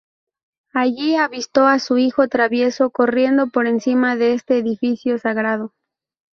Allí avistó a su hijo travieso corriendo por encima de este edificio sagrado.